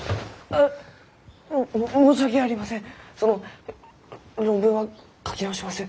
あ申し訳ありません。